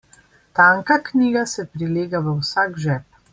Tanka knjiga se prilega v vsak žep.